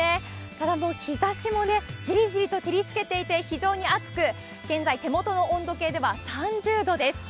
ただ、もう日ざしもじりじりと照りつけていて、非常に暑く、現在、手元の温度計では３０度です。